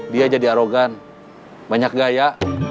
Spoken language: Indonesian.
dia jadi arogan banyak gaya